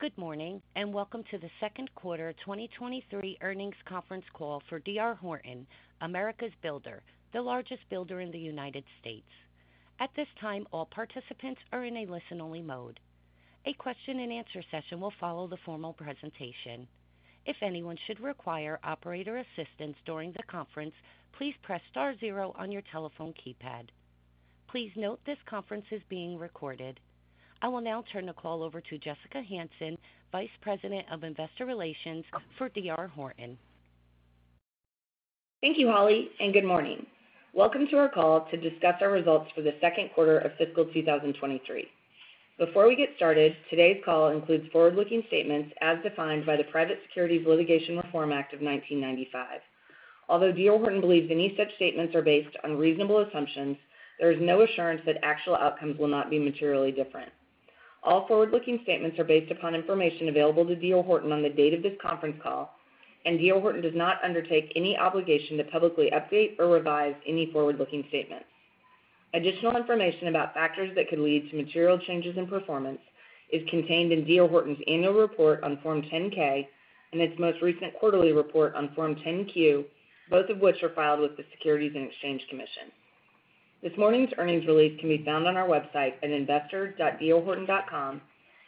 Good morning, and welcome to the second quarter 2023 earnings conference call for D.R. Horton, America's Builder, the largest builder in the United States. At this time, all participants are in a listen-only mode. A question-and-answer session will follow the formal presentation. If anyone should require operator assistance during the conference, please press star zero on your telephone keypad. Please note this conference is being recorded. I will now turn the call over to Jessica Hansen, Vice President of Investor Relations for D.R. Horton. Thank you, Holly, and good morning. Welcome to our call to discuss our results for the second quarter of fiscal 2023. Before we get started, today's call includes forward-looking statements as defined by the Private Securities Litigation Reform Act of 1995. Although D.R. Horton believes any such statements are based on reasonable assumptions, there is no assurance that actual outcomes will not be materially different. All forward-looking statements are based upon information available to D.R. Horton on the date of this conference call, and D.R. Horton does not undertake any obligation to publicly update or revise any forward-looking statements. Additional information about factors that could lead to material changes in performance is contained in D.R. Horton's Annual Report on Form 10-K and its most recent quarterly report on Form 10-Q, both of which are filed with the Securities and Exchange Commission. This morning's earnings release can be found on our website at investor.drhorton.com.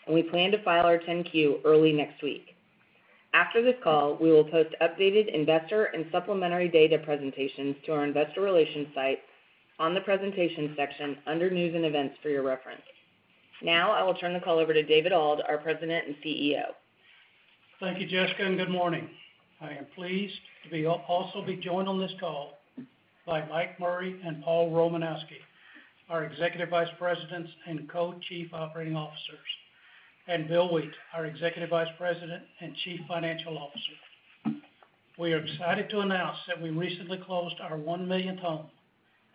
We plan to file our 10-Q early next week. After this call, we will post updated investor and supplementary data presentations to our investor relations site on the Presentation section under News and Events for your reference. Now I will turn the call over to David Auld, our President and CEO. Thank you, Jessica. Good morning. I am pleased to also be joined on this call by Mike Murray and Paul Romanowski, our Executive Vice Presidents and Co-Chief Operating Officers, and Bill Wheat, our Executive Vice President and Chief Financial Officer. We are excited to announce that we recently closed our 1 millionth home,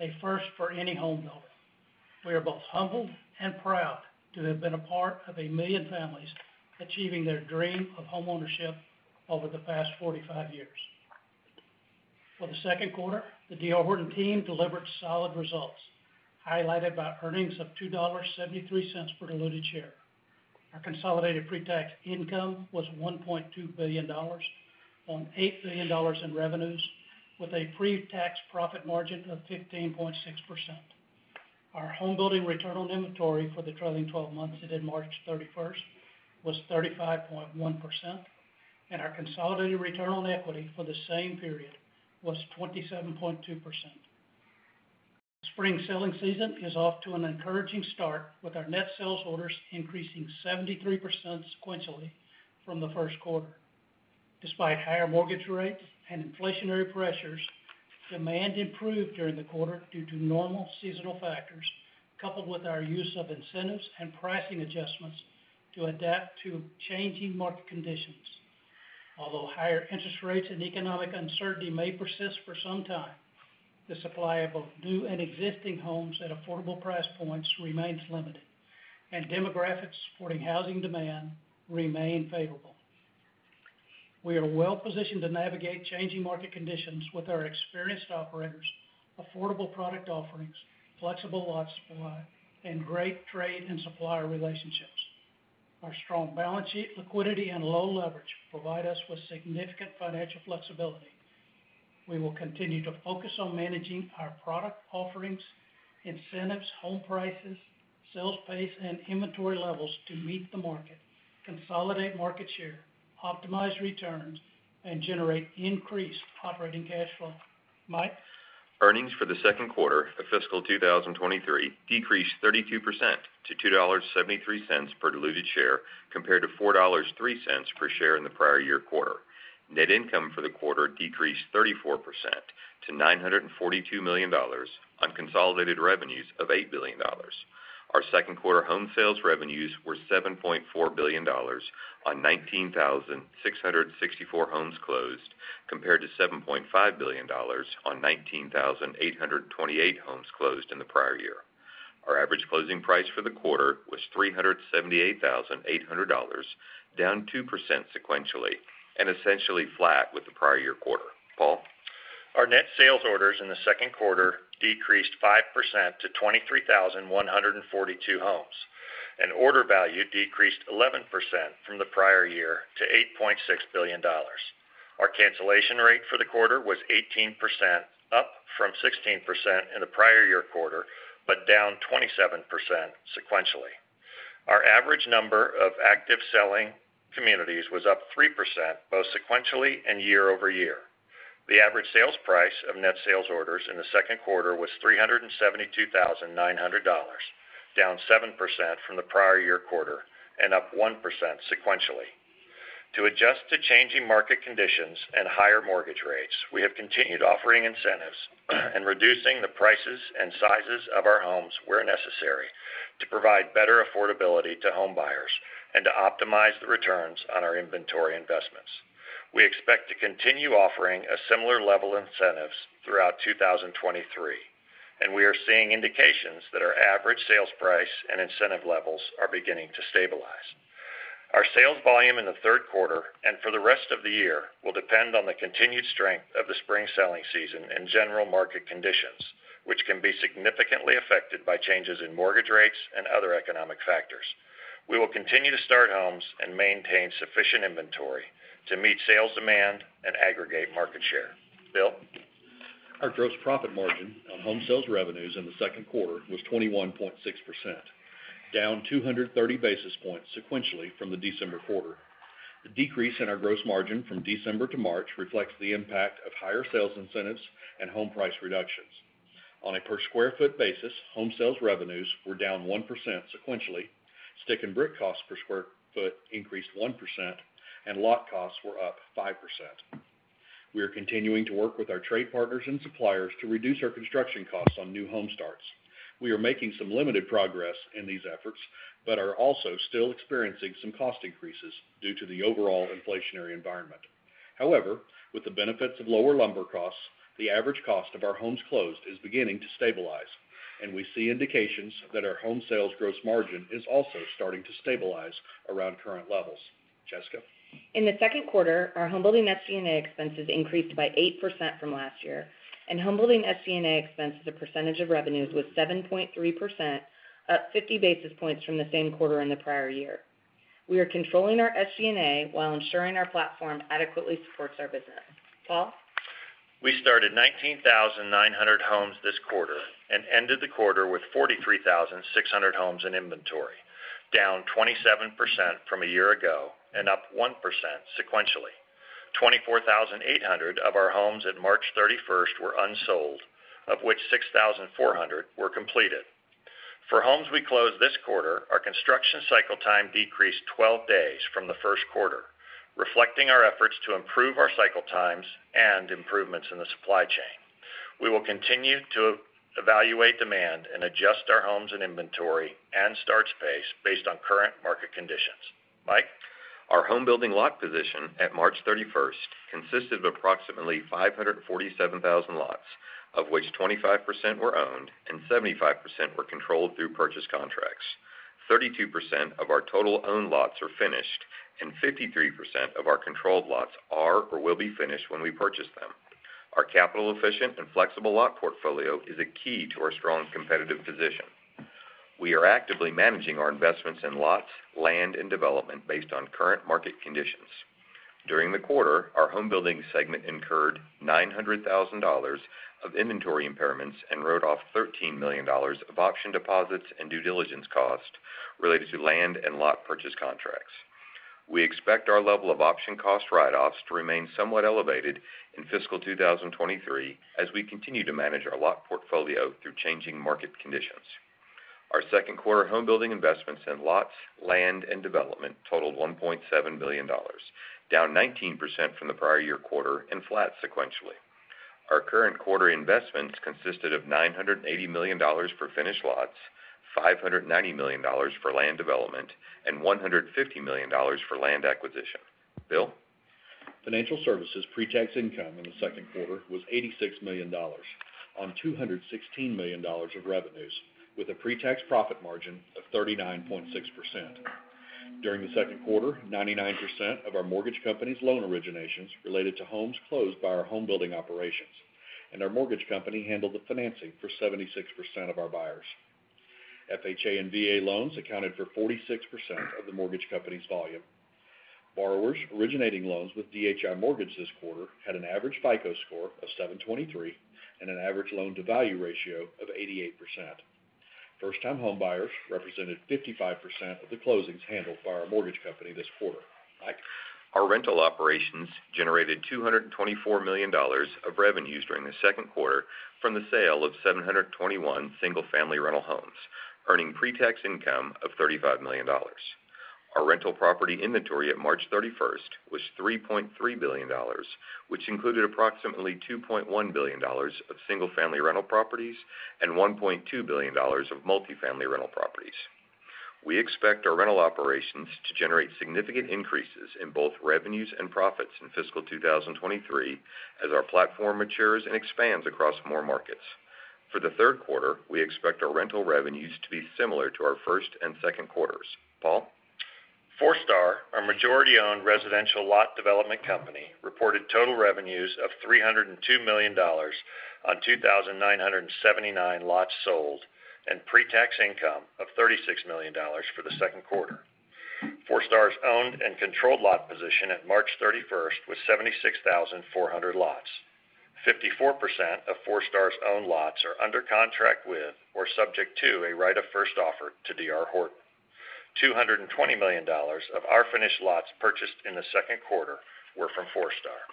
a first for any homebuilder. We are both humbled and proud to have been a part of 1 million families achieving their dream of homeownership over the past 45 years. For the second quarter, the D.R. Horton team delivered solid results, highlighted by earnings of $2.73 per diluted share. Our consolidated pre-tax income was $1.2 billion on $8 billion in revenues with a pre-tax profit margin of 15.6%. Our homebuilding return on inventory for the trailing 12 months that ended March 31st was 35.1%, and our consolidated return on equity for the same period was 27.2%. Spring selling season is off to an encouraging start with our net sales orders increasing 73% sequentially from the first quarter. Despite higher mortgage rates and inflationary pressures, demand improved during the quarter due to normal seasonal factors, coupled with our use of incentives and pricing adjustments to adapt to changing market conditions. Although higher interest rates and economic uncertainty may persist for some time, the supply of both new and existing homes at affordable price points remains limited and demographics supporting housing demand remain favorable. We are well positioned to navigate changing market conditions with our experienced operators, affordable product offerings, flexible lot supply, and great trade and supplier relationships. Our strong balance sheet liquidity and low leverage provide us with significant financial flexibility. We will continue to focus on managing our product offerings, incentives, home prices, sales pace and inventory levels to meet the market, consolidate market share, optimize returns, and generate increased operating cash flow. Mike? Earnings for the second quarter of fiscal 2023 decreased 32% to $2.73 per diluted share compared to $4.03 per share in the prior year quarter. Net income for the quarter decreased 34% to $942 million on consolidated revenues of $8 billion. Our second quarter home sales revenues were $7.4 billion on 19,664 homes closed, compared to $7.5 billion on 19,828 homes closed in the prior year. Our average closing price for the quarter was $378,800, down 2% sequentially and essentially flat with the prior year quarter. Paul? Our net sales orders in the second quarter decreased 5% to 23,142 homes, and order value decreased 11% from the prior year to $8.6 billion. Our cancellation rate for the quarter was 18%, up from 16% in the prior year quarter, but down 27% sequentially. Our average number of active selling communities was up 3%, both sequentially and year-over-year. The average sales price of net sales orders in the second quarter was $372,900, down 7% from the prior year quarter and up 1% sequentially. To adjust to changing market conditions and higher mortgage rates, we have continued offering incentives and reducing the prices and sizes of our homes where necessary to provide better affordability to homebuyers and to optimize the returns on our inventory investments. We expect to continue offering a similar level incentives throughout 2023, and we are seeing indications that our average sales price and incentive levels are beginning to stabilize. Our sales volume in the third quarter and for the rest of the year will depend on the continued strength of the spring selling season and general market conditions, which can be significantly affected by changes in mortgage rates and other economic factors. We will continue to start homes and maintain sufficient inventory to meet sales demand and aggregate market share. Bill? Our gross profit margin on home sales revenues in the second quarter was 21.6%, down 230 basis points sequentially from the December quarter. The decrease in our gross margin from December to March reflects the impact of higher sales incentives and home price reductions. On a per sq ft basis, home sales revenues were down 1% sequentially. Stick and brick costs per sq ft increased 1%, and lot costs were up 5%. We are continuing to work with our trade partners and suppliers to reduce our construction costs on new home starts. We are making some limited progress in these efforts, but are also still experiencing some cost increases due to the overall inflationary environment. With the benefits of lower lumber costs, the average cost of our homes closed is beginning to stabilize, and we see indications that our home sales gross margin is also starting to stabilize around current levels. Jessica? In the second quarter, our homebuilding SG&A expenses increased by 8% from last year. Homebuilding SG&A expense as a percentage of revenues was 7.3%, up 50 basis points from the same quarter in the prior year. We are controlling our SG&A while ensuring our platform adequately supports our business. Paul? We started 19,900 homes this quarter and ended the quarter with 43,600 homes in inventory, down 27% from a year ago and up 1% sequentially. 24,800 of our homes at March 31st were unsold, of which 6,400 were completed. For homes we closed this quarter, our construction cycle time decreased 12 days from the first quarter, reflecting our efforts to improve our cycle times and improvements in the supply chain. We will continue to evaluate demand and adjust our homes and inventory and starts pace based on current market conditions. Mike? Our homebuilding lot position at March 31st consisted of approximately 547,000 lots, of which 25% were owned and 75% were controlled through purchase contracts. 32% of our total owned lots are finished, and 53% of our controlled lots are or will be finished when we purchase them. Our capital efficient and flexible lot portfolio is a key to our strong competitive position. We are actively managing our investments in lots, land, and development based on current market conditions. During the quarter, our homebuilding segment incurred $900,000 of inventory impairments and wrote off $13 million of option deposits and due diligence costs related to land and lot purchase contracts. We expect our level of option cost write-offs to remain somewhat elevated in fiscal 2023 as we continue to manage our lot portfolio through changing market conditions. Our second quarter homebuilding investments in lots, land, and development totaled $1.7 billion, down 19% from the prior year quarter and flat sequentially. Our current quarter investments consisted of $980 million for finished lots, $590 million for land development, and $150 million for land acquisition. Bill? Financial services pre-tax income in the second quarter was $86 million on $216 million of revenues, with a pre-tax profit margin of 39.6%. During the second quarter, 99% of our mortgage company's loan originations related to homes closed by our homebuilding operations, and our mortgage company handled the financing for 76% of our buyers. FHA and VA loans accounted for 46% of the mortgage company's volume. Borrowers originating loans with DHI Mortgage this quarter had an average FICO score of 723 and an average loan-to-value ratio of 88%. First-time homebuyers represented 55% of the closings handled by our mortgage company this quarter. Mike? Our rental operations generated $224 million of revenues during the second quarter from the sale of 721 single-family rental homes, earning pre-tax income of $35 million. Our rental property inventory at March 31st was $3.3 billion, which included approximately $2.1 billion of single-family rental properties and $1.2 billion of multifamily rental properties. We expect our rental operations to generate significant increases in both revenues and profits in fiscal 2023 as our platform matures and expands across more markets. For the third quarter, we expect our rental revenues to be similar to our first and second quarters. Paul? Forestar, our majority-owned residential lot development company, reported total revenues of $302 million on 2,979 lots sold and pre-tax income of $36 million for the second quarter. Forestar's owned and controlled lot position at March 31st was 76,400 lots. 54% of Forestar's owned lots are under contract with or subject to a right of first offer to D.R. Horton. $220 million of our finished lots purchased in the second quarter were from Forestar.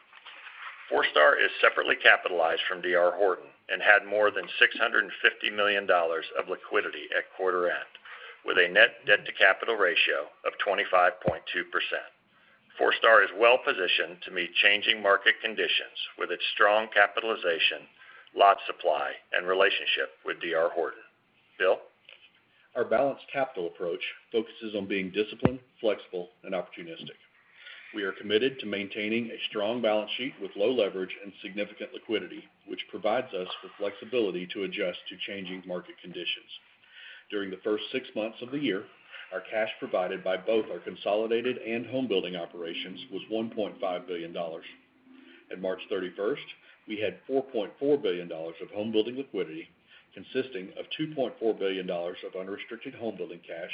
Forestar is separately capitalized from D.R. Horton and had more than $650 million of liquidity at quarter end, with a net debt-to-capital ratio of 25.2%. Forestar is well-positioned to meet changing market conditions with its strong capitalization, lot supply, and relationship with D.R. Horton. Bill? Our balanced capital approach focuses on being disciplined, flexible, and opportunistic. We are committed to maintaining a strong balance sheet with low leverage and significant liquidity, which provides us with flexibility to adjust to changing market conditions. During the first six months of the year, our cash provided by both our consolidated and homebuilding operations was $1.5 billion. At March 31st, we had $4.4 billion of homebuilding liquidity, consisting of $2.4 billion of unrestricted homebuilding cash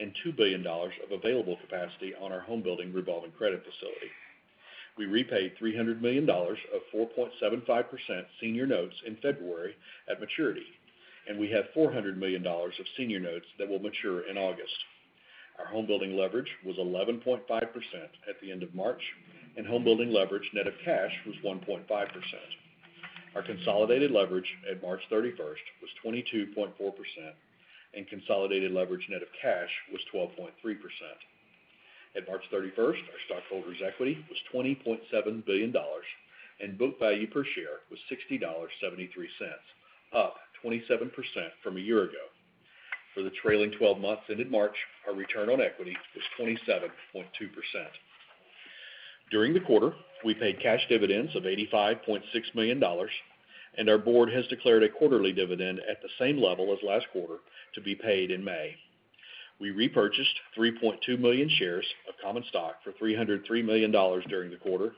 and $2 billion of available capacity on our homebuilding revolving credit facility. We repaid $300 million of 4.75% senior notes in February at maturity, and we have $400 million of senior notes that will mature in August. Our home building leverage was 11.5% at the end of March, and home building leverage net of cash was 1.5%. Our consolidated leverage at March 31st was 22.4%, and consolidated leverage net of cash was 12.3%. At March 31st, our stockholders' equity was $20.7 billion, and book value per share was $60.73, up 27% from a year ago. For the trailing 12 months ended March, our return on equity was 27.2%. During the quarter, we paid cash dividends of $85.6 million, and our board has declared a quarterly dividend at the same level as last quarter to be paid in May. We repurchased 3.2 million shares of common stock for $303 million during the quarter,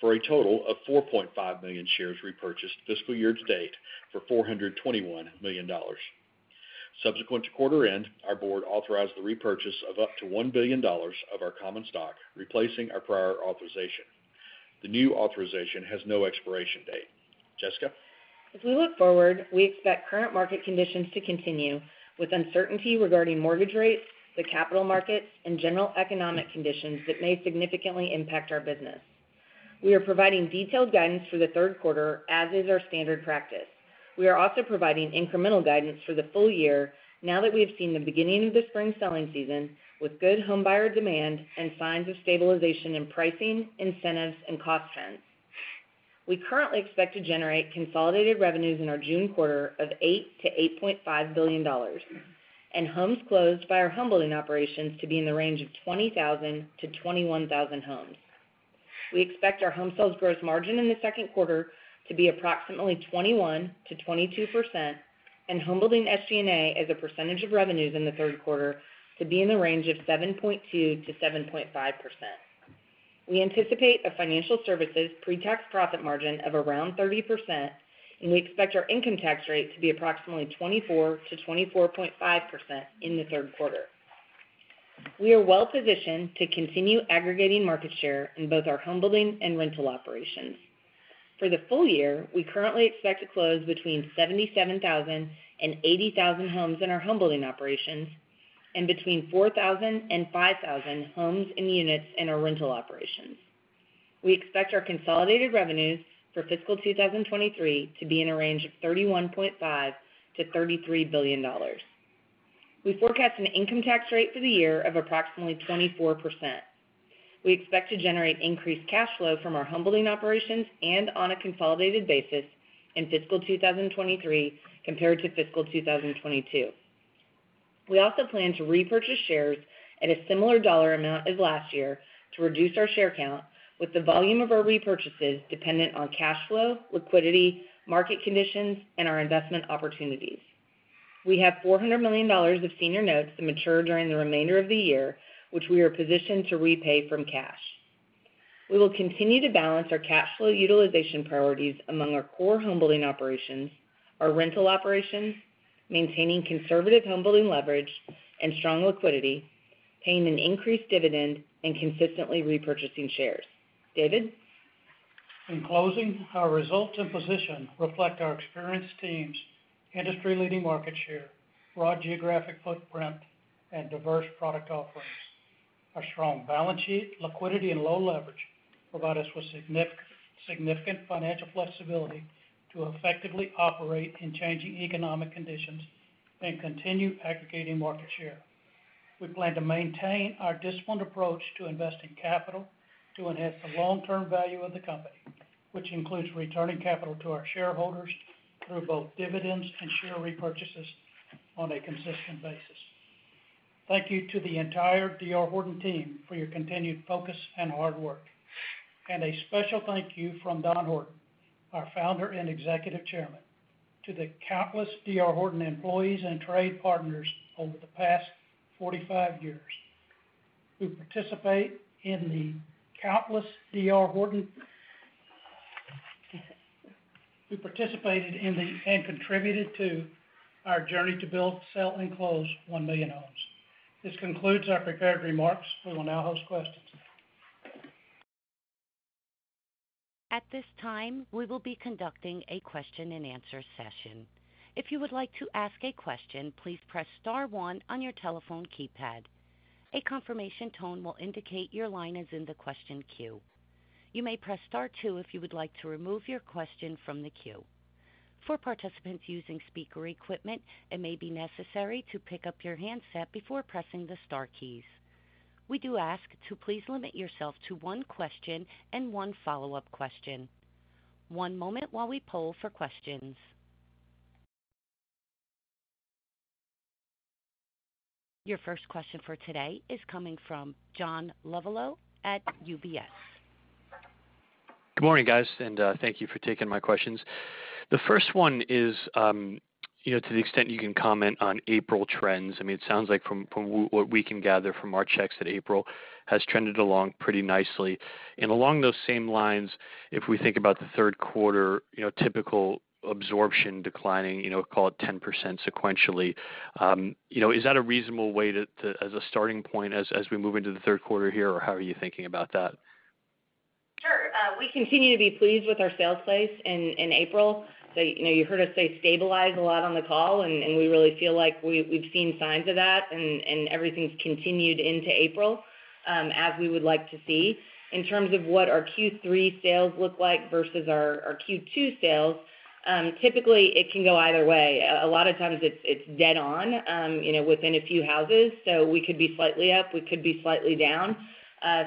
for a total of 4.5 million shares repurchased fiscal year-to-date for $421 million. Subsequent to quarter end, our board authorized the repurchase of up to $1 billion of our common stock, replacing our prior authorization. The new authorization has no expiration date. Jessica? As we look forward, we expect current market conditions to continue, with uncertainty regarding mortgage rates, the capital markets, and general economic conditions that may significantly impact our business. We are providing detailed guidance for the third quarter as is our standard practice. We are also providing incremental guidance for the full year now that we have seen the beginning of the spring selling season with good home buyer demand and signs of stabilization in pricing, incentives, and cost trends. We currently expect to generate consolidated revenues in our June quarter of $8 billion-$8.5 billion, and homes closed by our home building operations to be in the range of 20,000-21,000 homes. We expect our home sales gross margin in the second quarter to be approximately 21%-22% and homebuilding SG&A as a percentage of revenues in the third quarter to be in the range of 7.2%-7.5%. We anticipate a financial services pre-tax profit margin of around 30%. We expect our income tax rate to be approximately 24%-24.5% in the third quarter. We are well positioned to continue aggregating market share in both our homebuilding and rental operations. For the full year, we currently expect to close between 77,000 and 80,000 homes in our homebuilding operations and between 4,000 and 5,000 homes and units in our rental operations. We expect our consolidated revenues for fiscal 2023 to be in a range of $31.5 billion-$33 billion. We forecast an income tax rate for the year of approximately 24%. We expect to generate increased cash flow from our home building operations and on a consolidated basis in fiscal 2023 compared to fiscal 2022. We also plan to repurchase shares at a similar dollar amount as last year to reduce our share count with the volume of our repurchases dependent on cash flow, liquidity, market conditions, and our investment opportunities. We have $400 million of senior notes to mature during the remainder of the year, which we are positioned to repay from cash. We will continue to balance our cash flow utilization priorities among our core homebuilding operations, our rental operations, maintaining conservative homebuilding leverage and strong liquidity, paying an increased dividend, and consistently repurchasing shares. David? In closing, our results and position reflect our experienced teams, industry-leading market share, broad geographic footprint, and diverse product offerings. Our strong balance sheet, liquidity and low leverage provide us with significant financial flexibility to effectively operate in changing economic conditions and continue aggregating market share. We plan to maintain our disciplined approach to investing capital to enhance the long-term value of the company, which includes returning capital to our shareholders through both dividends and share repurchases on a consistent basis. Thank you to the entire D.R. Horton team for your continued focus and hard work. A special thank you from Don Horton, our founder and executive chairman, to the countless D.R. Horton employees and trade partners over the past 45 years who participated in and contributed to our journey to build, sell, and close 1 million homes. This concludes our prepared remarks. We will now host questions. At this time, we will be conducting a question-and-answer session. If you would like to ask a question, please press star one on your telephone keypad. A confirmation tone will indicate your line is in the question queue. You may press star two if you would like to remove your question from the queue. For participants using speaker equipment, it may be necessary to pick up your handset before pressing the star keys. We do ask to please limit yourself to one question and one follow-up question. One moment while we poll for questions. Your first question for today is coming from John Lovallo at UBS. Good morning, guys, and thank you for taking my questions. The first one is, you know, to the extent you can comment on April trends. I mean, it sounds like from what we can gather from our checks that April has trended along pretty nicely. Along those same lines, if we think about the third quarter, you know, typical absorption declining, you know, call it 10% sequentially, you know, is that a reasonable way to as a starting point as we move into the third quarter here, or how are you thinking about that? Sure. We continue to be pleased with our sales pace in April. You know, you heard us say stabilize a lot on the call, and we really feel like we've seen signs of that and everything's continued into April, as we would like to see. In terms of what our Q3 sales look like versus our Q2 sales, typically it can go either way. A lot of times it's dead on, you know, within a few houses. We could be slightly up, we could be slightly down.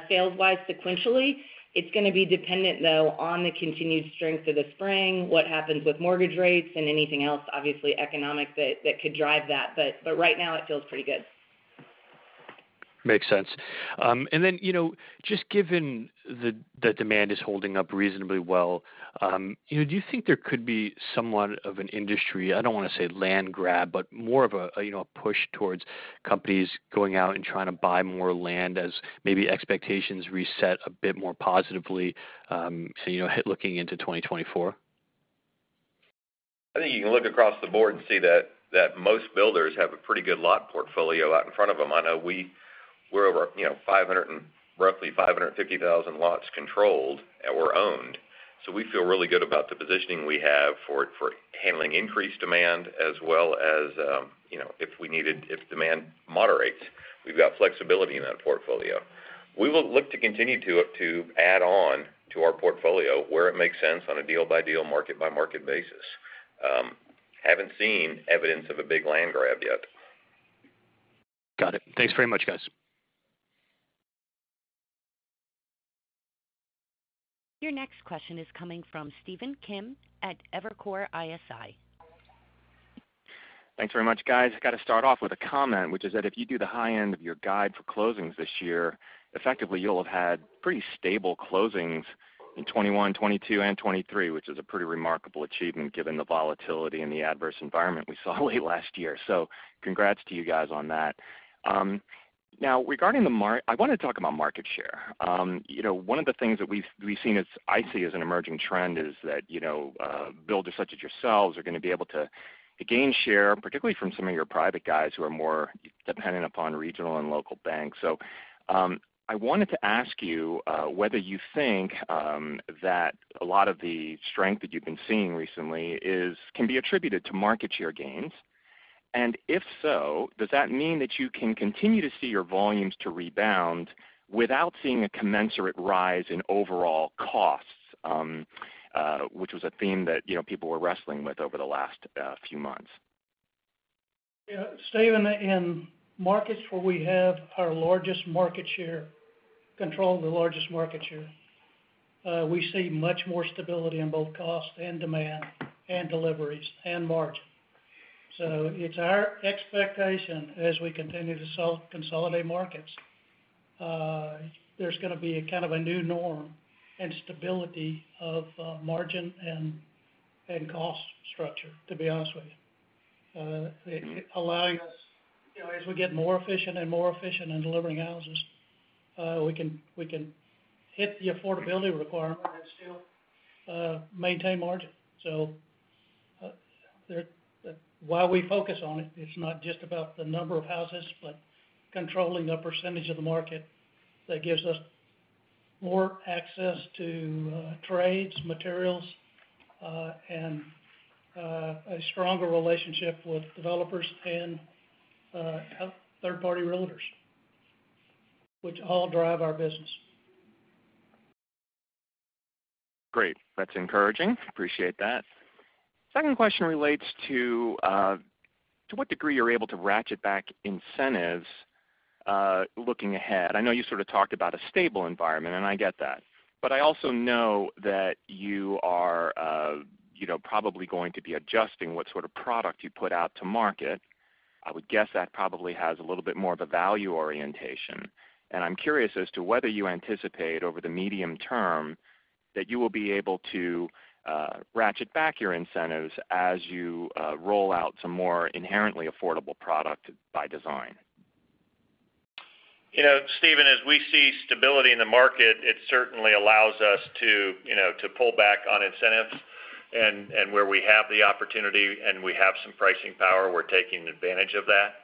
Sales-wise sequentially, it's gonna be dependent, though, on the continued strength of the spring, what happens with mortgage rates and anything else, obviously economic that could drive that. But right now it feels pretty good. Makes sense. You know, just given the demand is holding up reasonably well, you know, do you think there could be somewhat of an industry, I don't wanna say land grab, but more of a, you know, a push towards companies going out and trying to buy more land as maybe expectations reset a bit more positively, so, you know, looking into 2024? I think you can look across the board and see that most builders have a pretty good lot portfolio out in front of them. I know we're over, you know, roughly 550,000 lots controlled or owned. We feel really good about the positioning we have for handling increased demand as well as, you know, if we needed, if demand moderates, we've got flexibility in that portfolio. We will look to continue to add on to our portfolio where it makes sense on a deal-by-deal, market-by-market basis. Haven't seen evidence of a big land grab yet. Got it. Thanks very much, guys. Your next question is coming from Stephen Kim at Evercore ISI. Thanks very much, guys. Got to start off with a comment, which is that if you do the high end of your guide for closings this year, effectively you'll have had pretty stable closings in 2021, 2022 and 2023, which is a pretty remarkable achievement given the volatility and the adverse environment we saw late last year. Congrats to you guys on that. Now regarding market share. You know, one of the things that we've seen as, I see as an emerging trend is that, you know, builders such as yourselves are going to be able to gain share, particularly from some of your private guys who are more dependent upon regional and local banks. I wanted to ask you whether you think that a lot of the strength that you've been seeing recently is, can be attributed to market share gains, and if so, does that mean that you can continue to see your volumes to rebound without seeing a commensurate rise in overall costs? Which was a theme that, you know, people were wrestling with over the last few months. Stephen, in markets where we have our largest market share, control the largest market share, we see much more stability in both cost and demand and deliveries and margin. It's our expectation as we continue to sell-consolidate markets, there's gonna be a kind of a new norm and stability of margin and cost structure, to be honest with you. It allows us, you know, as we get more efficient and more efficient in delivering houses, we can hit the affordability requirement and still maintain margin. While we focus on it's not just about the number of houses, but controlling the percentage of the market that gives us more access to trades, materials, and a stronger relationship with developers and third-party realtors, which all drive our business. Great. That's encouraging. Appreciate that. Second question relates to to what degree you're able to ratchet back incentives looking ahead. I know you sort of talked about a stable environment, and I get that. I also know that you are, you know, probably going to be adjusting what sort of product you put out to market. I would guess that probably has a little bit more of a value orientation. I'm curious as to whether you anticipate over the medium term that you will be able to ratchet back your incentives as you roll out some more inherently affordable product by design. You know, Stephen, as we see stability in the market, it certainly allows us to, you know, to pull back on incentives. Where we have the opportunity and we have some pricing power, we're taking advantage of that.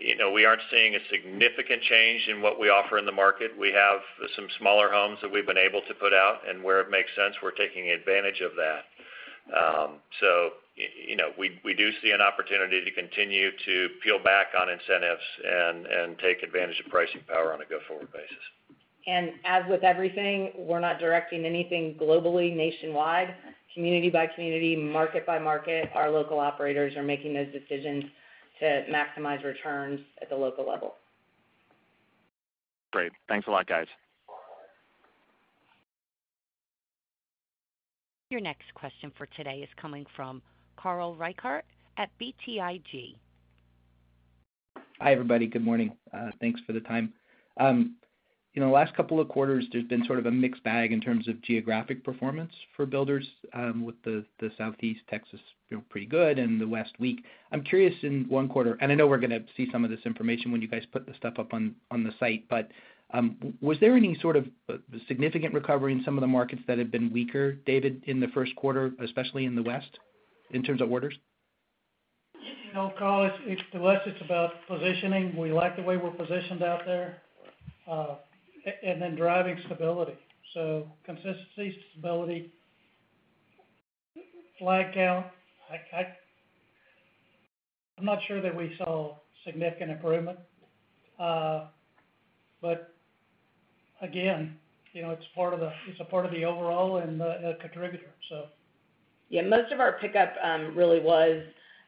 You know, we aren't seeing a significant change in what we offer in the market. We have some smaller homes that we've been able to put out, and where it makes sense, we're taking advantage of that. You know, we do see an opportunity to continue to peel back on incentives and take advantage of pricing power on a go-forward basis. As with everything, we're not directing anything globally, nationwide. Community by community, market by market, our local operators are making those decisions to maximize returns at the local level. Great. Thanks a lot, guys. Your next question for today is coming from Carl Reichardt at BTIG. Hi, everybody. Good morning. Thanks for the time. In the last couple of quarters, there's been sort of a mixed bag in terms of geographic performance for builders, with the Southeast Texas, you know, pretty good and the West weak. I'm curious in one quarter, and I know we're going to see some of this information when you guys put the stuff up on the site, but was there any sort of significant recovery in some of the markets that have been weaker, David, in the first quarter, especially in the West, in terms of orders? You know, Carl, it's to us it's about positioning. We like the way we're positioned out there, and then driving stability. Consistency, stability, flag count. I'm not sure that we saw significant improvement. Again, you know, it's a part of the overall and a contributor, so. Yeah, most of our pickup, really was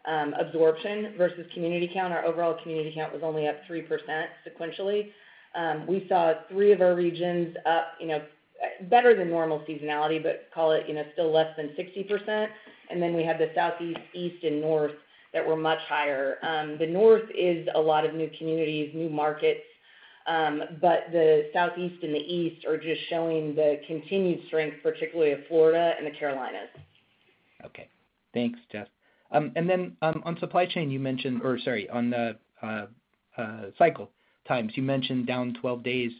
absorption versus community count. Our overall community count was only up 3% sequentially. We saw three of our regions up, you know, better than normal seasonality, call it, you know, still less than 60%. We had the Southeast, East, and North that were much higher. The North is a lot of new communities, new markets, the Southeast and the East are just showing the continued strength, particularly of Florida and the Carolinas. Okay. Thanks, Jess. On supply chain, or sorry, on the cycle times, you mentioned down 12 days.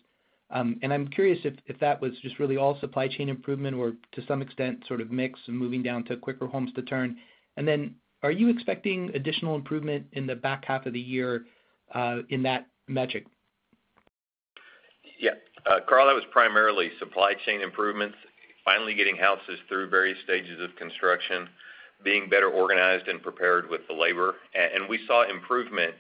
I'm curious if that was just really all supply chain improvement or to some extent sort of mix and moving down to quicker homes to turn. Are you expecting additional improvement in the back half of the year in that metric? Carl, that was primarily supply chain improvements, finally getting houses through various stages of construction, being better organized and prepared with the labor. And we saw improvement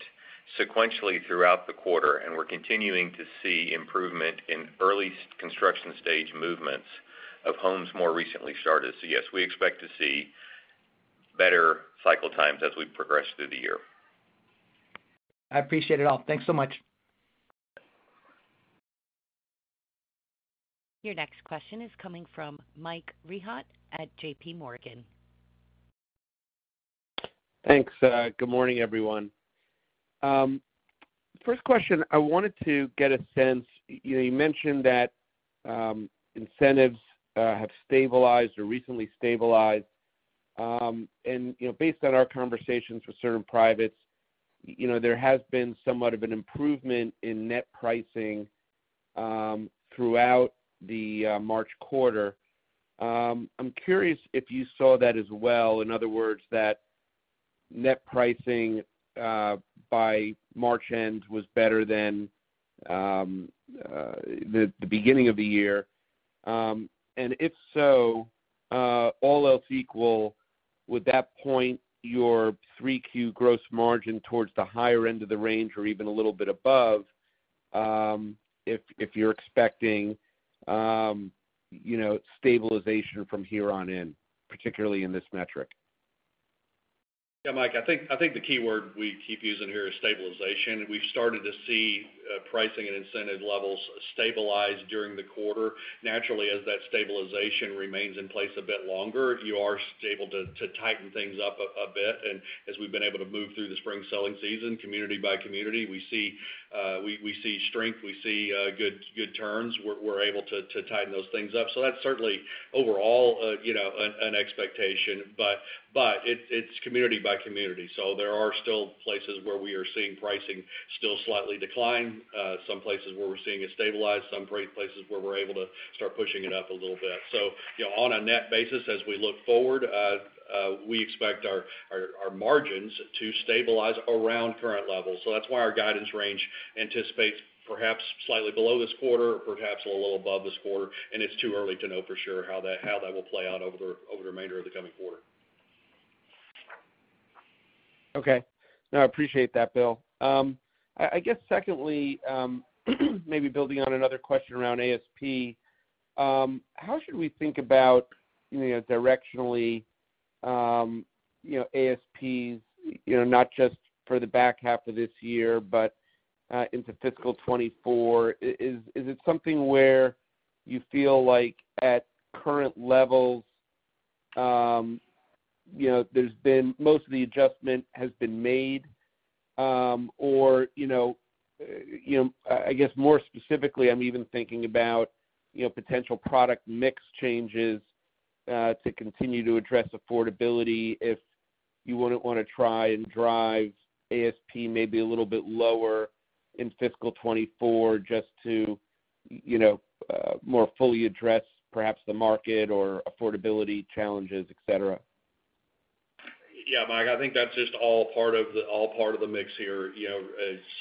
sequentially throughout the quarter, and we're continuing to see improvement in early construction stage movements of homes more recently started. Yes, we expect to see better cycle times as we progress through the year. I appreciate it all. Thanks so much. Your next question is coming from Michael Rehaut at JPMorgan. Thanks. Good morning, everyone. First question, I wanted to get a sense, you know, you mentioned that incentives have stabilized or recently stabilized. You know, based on our conversations with certain privates, you know, there has been somewhat of an improvement in net pricing throughout the March quarter. I'm curious if you saw that as well. In other words, that net pricing by March end was better than the beginning of the year. If so, all else equal, would that point your 3Q gross margin towards the higher end of the range or even a little bit above, if you're expecting, you know, stabilization from here on in, particularly in this metric? Mike, I think the key word we keep using here is stabilization. We started to see pricing and incentive levels stabilize during the quarter. Naturally, as that stabilization remains in place a bit longer, you are able to tighten things up a bit. As we've been able to move through the spring selling season, community by community, we see strength, we see good turns. We're able to tighten those things up. That's certainly overall, you know, an expectation. But it's community by community. There are still places where we are seeing pricing still slightly decline, some places where we're seeing it stabilize, some great places where we're able to start pushing it up a little bit. You know, on a net basis, as we look forward, we expect our margins to stabilize around current levels. That's why our guidance range anticipates perhaps slightly below this quarter or perhaps a little above this quarter. It's too early to know for sure how that will play out over the remainder of the coming quarter. Okay. No, I appreciate that, Bill. I guess secondly, maybe building on another question around ASP, how should we think about, you know, directionally, ASPs, you know, not just for the back half of this year, but into fiscal 2024? Is it something where you feel like at current levels, most of the adjustment has been made? Or, you know, I guess more specifically, I'm even thinking about, you know, potential product mix changes to continue to address affordability if you wouldn't want to try and drive ASP maybe a little bit lower in fiscal 2024 just to, you know, more fully address perhaps the market or affordability challenges, et cetera. Yeah, Mike, I think that's just all part of the mix here. You know,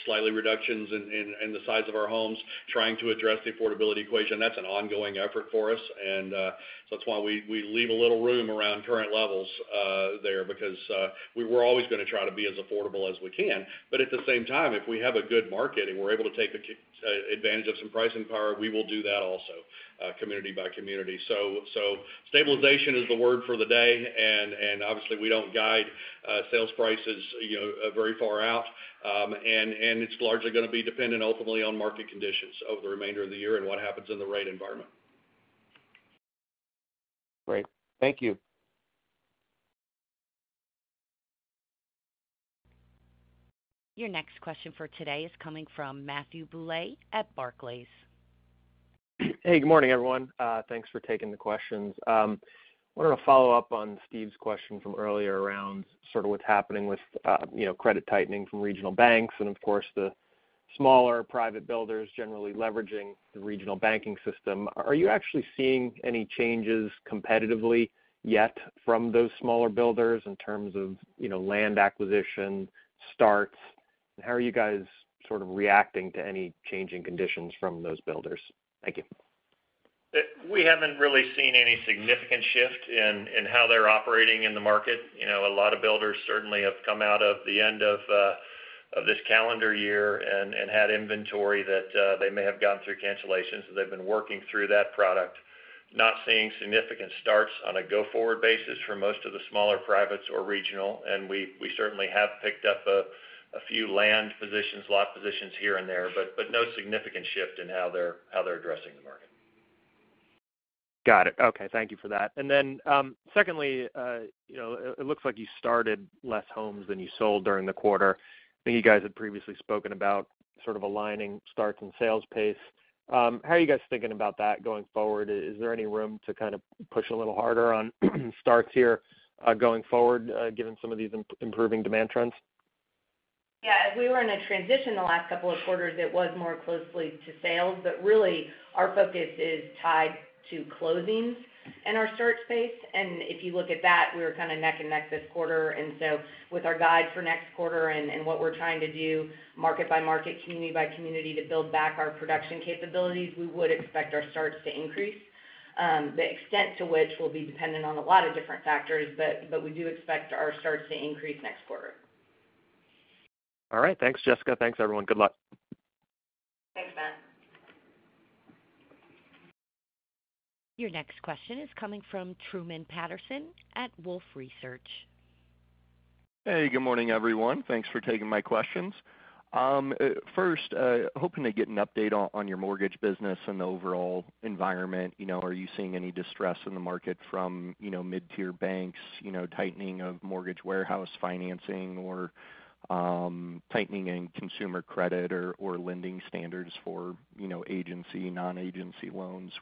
slightly reductions in the size of our homes, trying to address the affordability equation. That's an ongoing effort for us. That's why we leave a little room around current levels there because we were always going to try to be as affordable as we can. At the same time, if we have a good market and we're able to take advantage of some pricing power, we will do that also, community by community. Stabilization is the word for the day, and obviously we don't guide sales prices, you know, very far out. It's largely going to be dependent ultimately on market conditions over the remainder of the year and what happens in the rate environment. Great. Thank you. Your next question for today is coming from Matthew Bouley at Barclays. Hey, good morning, everyone. Thanks for taking the questions. Wanted to follow up on Stephen's question from earlier around sort of what's happening with, you know, credit tightening from regional banks and, of course, the smaller private builders generally leveraging the regional banking system. Are you actually seeing any changes competitively yet from those smaller builders in terms of, you know, land acquisition, starts? How are you guys sort of reacting to any changing conditions from those builders? Thank you. We haven't really seen any significant shift in how they're operating in the market. You know, a lot of builders certainly have come out of the end of this calendar year and had inventory that they may have gone through cancellations. They've been working through that product. Not seeing significant starts on a go-forward basis for most of the smaller privates or regional. We certainly have picked up a few land positions, lot positions here and there. No significant shift in how they're addressing the market. Got it. Okay, thank you for that. Secondly, you know, it looks like you started less homes than you sold during the quarter. I think you guys had previously spoken about sort of aligning starts and sales pace. How are you guys thinking about that going forward? Is there any room to kind of push a little harder on starts here, going forward, given some of these improving demand trends? As we were in a transition the last couple of quarters, it was more closely to sales. Really our focus is tied to closings in our search space. You look at that, we were kind of neck and neck this quarter. With our guide for next quarter and what we're trying to do market by market, community by community to build back our production capabilities, we would expect our starts to increase. The extent to which will be dependent on a lot of different factors, but we do expect our starts to increase next quarter. All right. Thanks, Jessica. Thanks, everyone. Good luck. Thanks, Matt. Your next question is coming from Truman Patterson at Wolfe Research. Hey, good morning, everyone. Thanks for taking my questions. First, hoping to get an update on your mortgage business and the overall environment. You know, are you seeing any distress in the market from, you know, mid-tier banks, you know, tightening of mortgage warehouse financing or tightening in consumer credit or lending standards for, you know, agency, non-agency loans?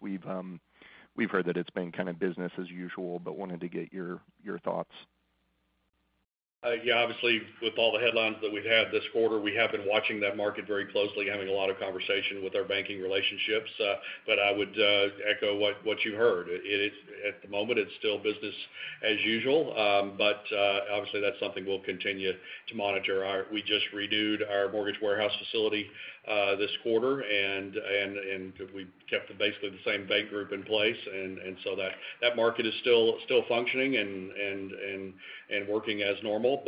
We've heard that it's been kind of business as usual, but wanted to get your thoughts. Yeah, obviously, with all the headlines that we've had this quarter, we have been watching that market very closely, having a lot of conversation with our banking relationships. I would echo what you heard. At the moment, it's still business as usual. Obviously, that's something we'll continue to monitor. We just renewed our mortgage warehouse facility this quarter and we kept basically the same bank group in place. That market is still functioning and working as normal.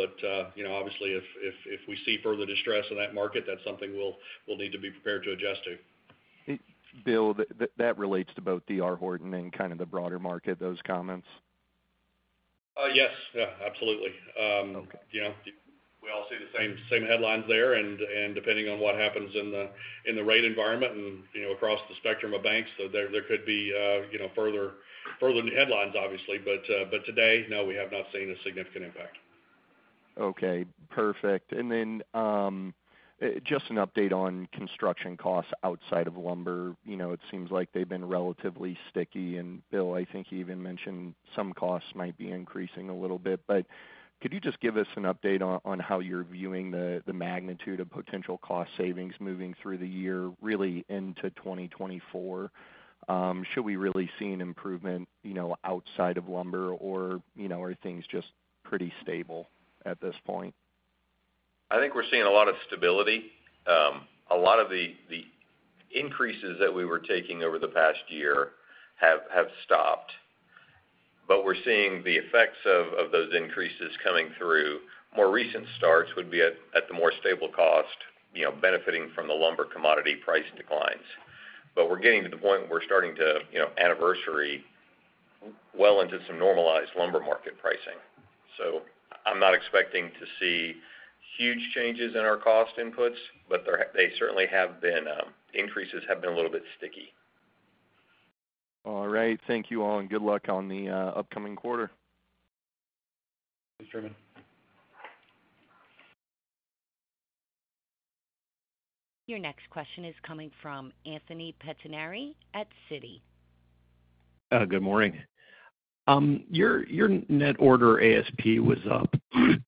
You know, obviously, if we see further distress in that market, that's something we'll need to be prepared to adjust to. Bill, that relates to both D.R. Horton and kind of the broader market, those comments? Yes. Yeah, absolutely. You know, we all see the same headlines there. Depending on what happens in the rate environment and, you know, across the spectrum of banks, there could be, you know, further headlines, obviously. Today, no, we have not seen a significant impact. Okay, perfect. Just an update on construction costs outside of lumber. You know, it seems like they've been relatively sticky. Bill, I think you even mentioned some costs might be increasing a little bit, but could you just give us an update on how you're viewing the magnitude of potential cost savings moving through the year, really into 2024? Should we really see an improvement, you know, outside of lumber or, you know, are things just pretty stable at this point? I think we're seeing a lot of stability. A lot of the increases that we were taking over the past year have stopped. We're seeing the effects of those increases coming through. More recent starts would be at the more stable cost, you know, benefiting from the lumber commodity price declines. We're getting to the point where we're starting to, you know, anniversary well into some normalized lumber market pricing. I'm not expecting to see huge changes in our cost inputs, but they certainly have been, increases have been a little bit sticky. All right. Thank you all, and good luck on the upcoming quarter. Thanks, Truman. Your next question is coming from Anthony Pettinari at Citi. Good morning. your net order ASP was up,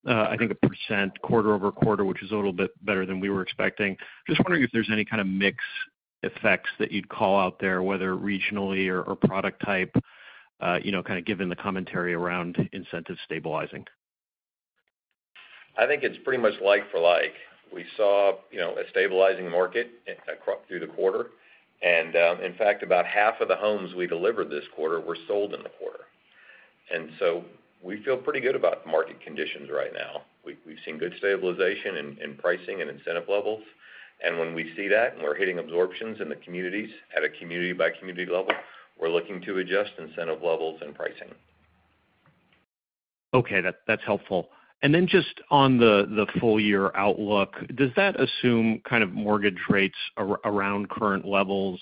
I think 1% quarter-over-quarter, which is a little bit better than we were expecting. Just wondering if there's any kind of mix effects that you'd call out there, whether regionally or product type, you know, kind of given the commentary around incentive stabilizing. I think it's pretty much like for like. We saw, you know, a stabilizing market through the quarter. In fact, about half of the homes we delivered this quarter were sold in the quarter. We feel pretty good about market conditions right now. We've seen good stabilization in pricing and incentive levels. When we see that and we're hitting absorptions in the communities at a community-by-community level, we're looking to adjust incentive levels and pricing. Okay, that's helpful. Just on the full year outlook, does that assume kind of mortgage rates around current levels?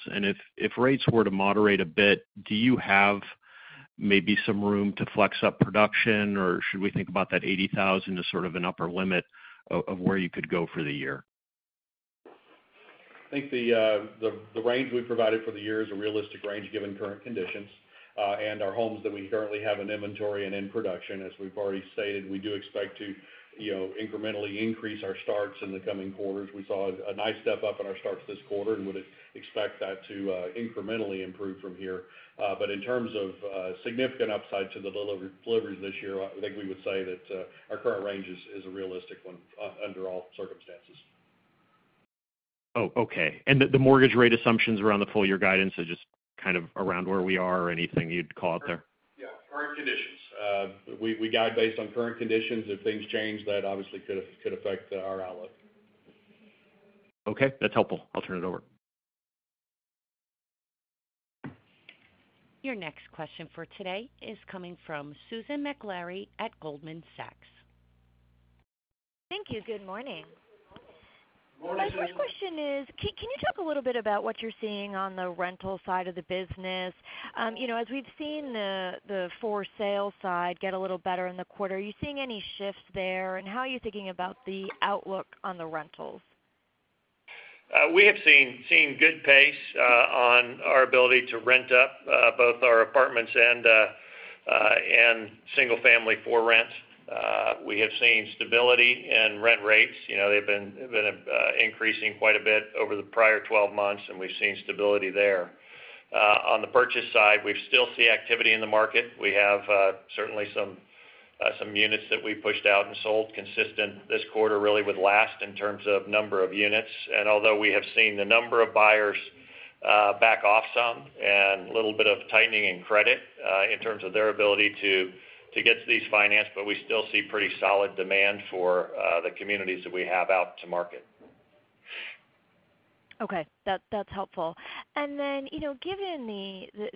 If rates were to moderate a bit, do you have maybe some room to flex up production, or should we think about that 80,000 as sort of an upper limit of where you could go for the year? I think the range we've provided for the year is a realistic range given current conditions and our homes that we currently have in inventory and in production. As we've already stated, we do expect to, you know, incrementally increase our starts in the coming quarters. We saw a nice step up in our starts this quarter, and would expect that to incrementally improve from here. In terms of significant upside to the deliveries this year, I think we would say that our current range is a realistic one under all circumstances. Oh, okay. The, the mortgage rate assumptions around the full year guidance are just kind of around where we are or anything you'd call out there? Yeah, current conditions. We guide based on current conditions. If things change, that obviously could affect our outlook. Okay, that's helpful. I'll turn it over. Your next question for today is coming from Susan Maklari at Goldman Sachs. Thank you. Good morning. Morning. My first question is, can you talk a little bit about what you're seeing on the rental side of the business? you know, as we've seen the for sale side get a little better in the quarter, are you seeing any shifts there, and how are you thinking about the outlook on the rentals? We have seen good pace on our ability to rent up both our apartments and single-family for rent. We have seen stability in rent rates. You know, they've been increasing quite a bit over the prior 12 months, and we've seen stability there. On the purchase side, we still see activity in the market. We have certainly some units that we pushed out and sold consistent this quarter really with last in terms of number of units. Although we have seen the number of buyers back off some and a little bit of tightening in credit in terms of their ability to get these financed, but we still see pretty solid demand for the communities that we have out to market. Okay. That's helpful. You know, given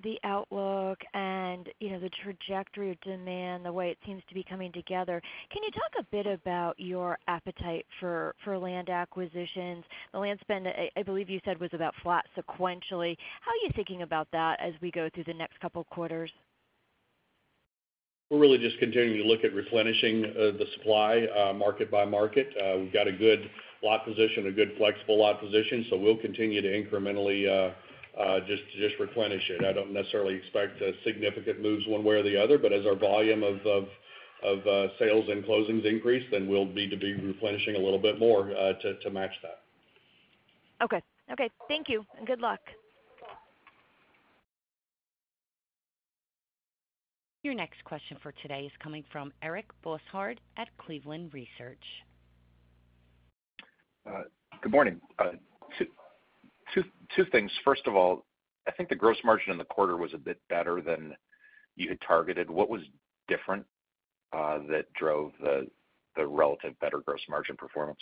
the outlook and, you know, the trajectory of demand, the way it seems to be coming together, can you talk a bit about your appetite for land acquisitions? The land spend, I believe you said was about flat sequentially. How are you thinking about that as we go through the next couple quarters? We're really just continuing to look at replenishing the supply market by market. We've got a good lot position, a good flexible lot position, we'll continue to incrementally just replenish it. I don't necessarily expect significant moves one way or the other, but as our volume of sales and closings increase, then we'll need to be replenishing a little bit more to match that. Okay. Okay. Thank you. Good luck. Your next question for today is coming from Eric Bosshard at Cleveland Research. Good morning. Two things. First of all, I think the gross margin in the quarter was a bit better than you had targeted. What was different that drove the relative better gross margin performance?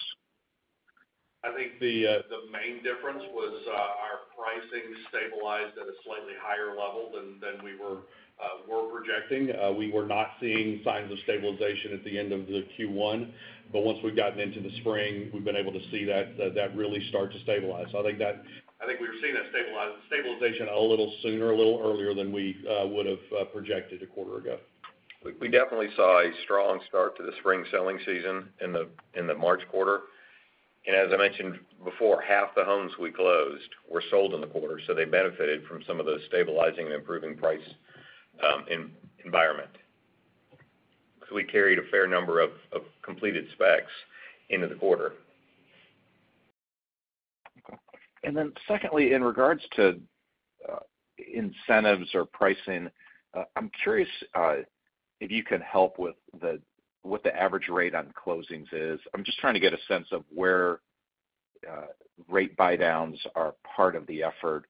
I think the main difference was, our pricing stabilized at a slightly higher level than we were projecting. We were not seeing signs of stabilization at the end of the Q1, but once we've gotten into the spring, we've been able to see that really start to stabilize. I think we were seeing that stabilization a little sooner, a little earlier than we would've projected a quarter ago. We definitely saw a strong start to the spring selling season in the March quarter. As I mentioned before, half the homes we closed were sold in the quarter, so they benefited from some of those stabilizing and improving price environment. We carried a fair number of completed specs into the quarter. Okay. Secondly, in regards to incentives or pricing, I'm curious if you can help with what the average rate on closings is. I'm just trying to get a sense of where rate buydowns are part of the effort,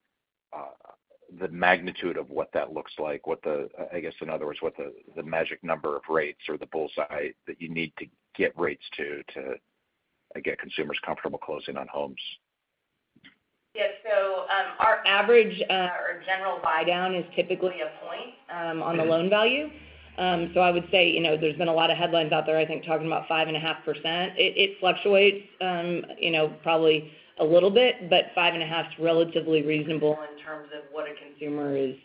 the magnitude of what that looks like, what the. I guess, in other words, what the magic number of rates or the bullseye that you need to get rates to, again, consumers comfortable closing on homes? Yes. Our average, or general buydown is typically a point on the loan value. I would say, you know, there's been a lot of headlines out there, I think, talking about 5.5%. It, it fluctuates, you know, probably a little bit, but 5.5 is relatively reasonable in terms of what a consumer is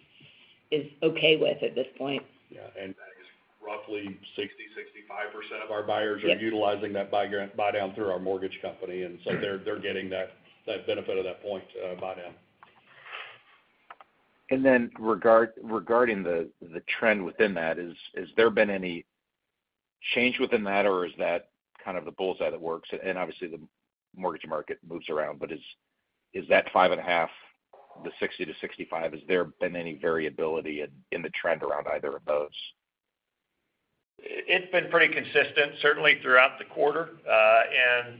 okay with at this point. Yeah. That is roughly 60%-65% of our buyers- Yes. -are utilizing that buy down through our Mortgage Company, and so they're getting that benefit of that point, buydown. Then regarding the trend within that, has there been any change within that, or is that kind of the bullseye that works? Obviously, the mortgage market moves around, but is that 5.5, the 60%-65%, has there been any variability in the trend around either of those? It's been pretty consistent, certainly throughout the quarter.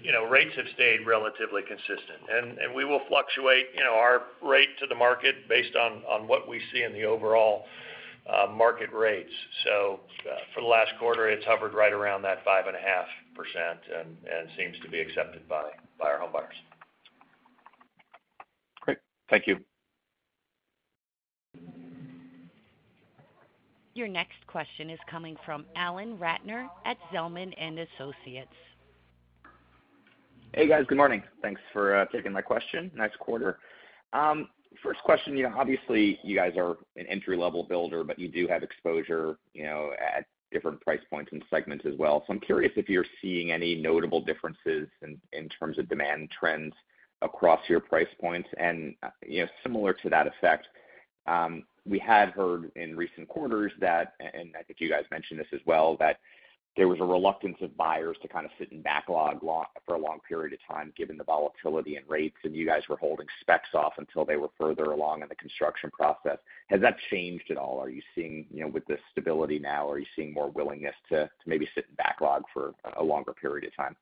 You know, rates have stayed relatively consistent. And we will fluctuate, you know, our rate to the market based on what we see in the overall market rates. For the last quarter, it's hovered right around that 5.5% and seems to be accepted by our homebuyers. Great. Thank you. Your next question is coming from Alan Ratner at Zelman & Associates. Hey, guys. Good morning. Thanks for taking my question. Nice quarter. First question, you know, obviously, you guys are an entry-level builder, but you do have exposure, you know, at different price points and segments as well. I'm curious if you're seeing any notable differences in terms of demand trends across your price points. Similar to that effect, we had heard in recent quarters that, and I think you guys mentioned this as well, that there was a reluctance of buyers to kind of sit in backlog for a long period of time given the volatility and rates, and you guys were holding specs off until they were further along in the construction process. Has that changed at all? Are you seeing, you know, with the stability now, are you seeing more willingness to maybe sit in backlog for a longer period of time?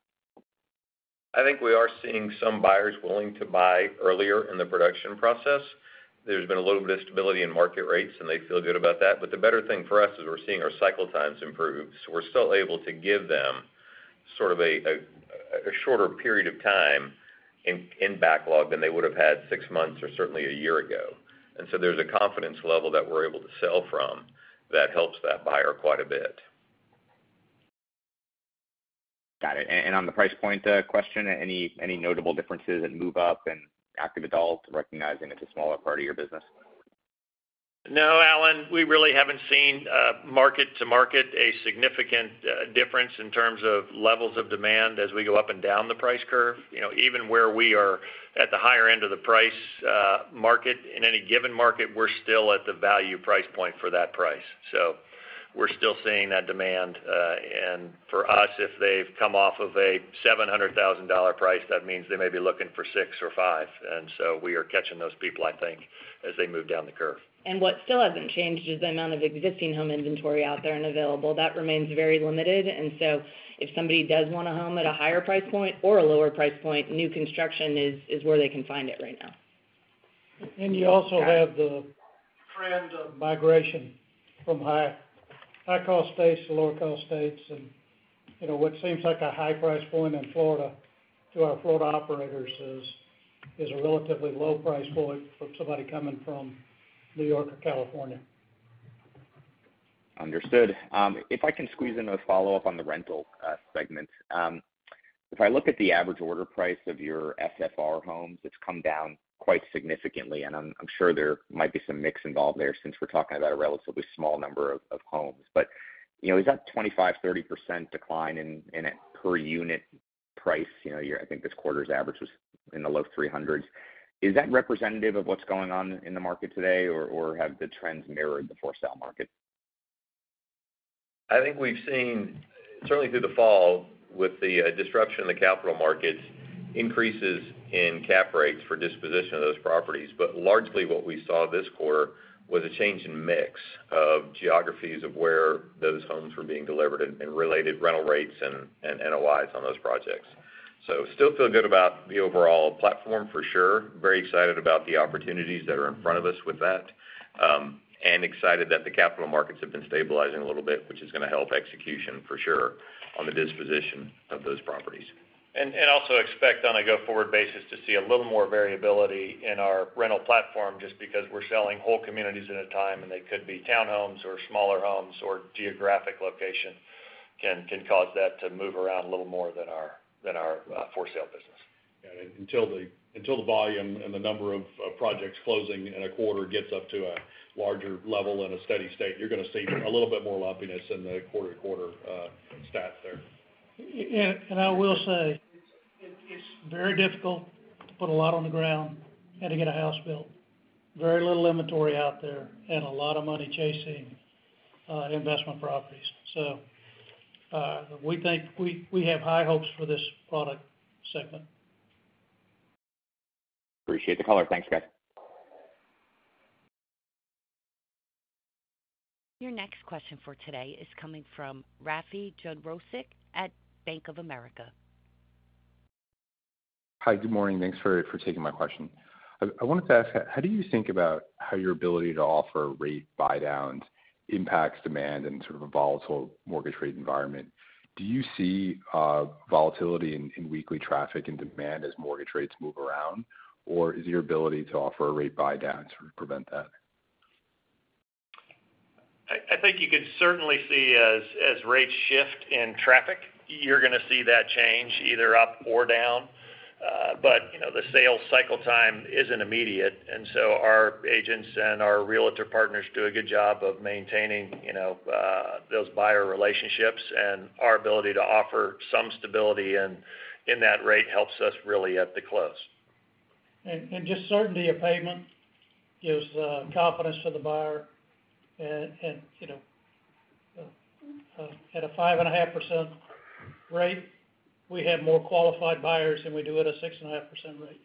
I think we are seeing some buyers willing to buy earlier in the production process. There's been a little bit of stability in market rates, and they feel good about that. The better thing for us is we're seeing our cycle times improve. We're still able to give them sort of a shorter period of time in backlog than they would have had six months or certainly a year ago. There's a confidence level that we're able to sell from that helps that buyer quite a bit. Got it. On the price point, question, any notable differences at move up and active adult, recognizing it's a smaller part of your business? Alan, we really haven't seen market to market a significant difference in terms of levels of demand as we go up and down the price curve. You know, even where we are at the higher end of the price market, in any given market, we're still at the value price point for that price. We're still seeing that demand, and for us, if they've come off of a $700,000 price, that means they may be looking for six or five, we are catching those people, I think, as they move down the curve. What still hasn't changed is the amount of existing home inventory out there and available. That remains very limited. If somebody does want a home at a higher price point or a lower price point, new construction is where they can find it right now. You also have the trend of migration from high-cost states to lower-cost states. You know, what seems like a high price point in Florida to our Florida operators is a relatively low price point for somebody coming from New York or California. Understood. If I can squeeze in a follow-up on the rental segment. If I look at the average order price of your FFR homes, it's come down quite significantly, and I'm sure there might be some mix involved there since we're talking about a relatively small number of homes. You know, is that 25%-30% decline in a per unit price, you know, I think this quarter's average was in the low $300s. Is that representative of what's going on in the market today, or have the trends mirrored the for-sale market? I think we've seen, certainly through the fall, with the disruption in the capital markets, increases in cap rates for disposition of those properties. Largely what we saw this quarter was a change in mix of geographies of where those homes were being delivered and related rental rates and NOI on those projects. Still feel good about the overall platform for sure. Very excited about the opportunities that are in front of us with that, and excited that the capital markets have been stabilizing a little bit, which is gonna help execution for sure on the disposition of those properties. Also expect on a go-forward basis to see a little more variability in our rental platform just because we're selling whole communities at a time, and they could be townhomes or smaller homes or geographic location can cause that to move around a little more than our for-sale business. Until the volume and the number of projects closing in a quarter gets up to a larger level in a steady state, you're gonna see a little bit more lumpiness in the quarter-to-quarter, stats there. Yeah. I will say, it's very difficult to put a lot on the ground and to get a house built. Very little inventory out there and a lot of money chasing investment properties. We think we have high hopes for this product segment. Appreciate the color. Thanks, guys. Your next question for today is coming from Rafe Jadrosich at Bank of America. Hi. Good morning. Thanks for taking my question. I wanted to ask, how do you think about how your ability to offer rate buydowns impacts demand in sort of a volatile mortgage rate environment? Do you see volatility in weekly traffic and demand as mortgage rates move around, or is your ability to offer rate buydowns to prevent that? I think you can certainly see as rates shift in traffic, you're gonna see that change either up or down. You know, the sales cycle time isn't immediate. Our agents and our realtor partners do a good job of maintaining, you know, those buyer relationships and our ability to offer some stability in that rate helps us really at the close. Just certainty of payment gives confidence to the buyer. You know, at a 5.5% rate, we have more qualified buyers than we do at a 6.5% rate.